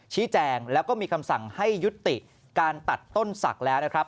ชี้แจงแล้วก็มีคำสั่งให้ยุติการตัดต้นศักดิ์แล้วนะครับ